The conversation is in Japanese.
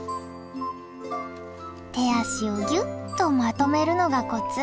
手足をぎゅっとまとめるのがコツ。